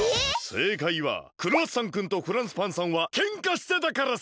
せいかいはクロワッサンくんとフランスパンさんはケンカしてたからさ！